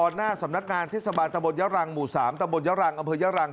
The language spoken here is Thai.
หน้าสำนักงานทฤษฐบาลตะบนย่ารังหมู่สามตะบนย่ารังอำเภยย่ารัง